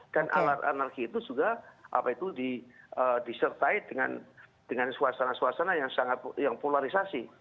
dan alat anarki itu juga apa itu disertai dengan dengan suasana suasana yang sangat yang polarisasi